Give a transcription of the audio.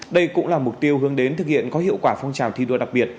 đây cũng là mục tiêu hướng đến thực hiện có hiệu quả phong trào thi đua đặc biệt